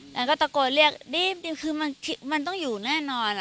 แล้วก็ตะโกนเรียกดีคือมันต้องอยู่แน่นอน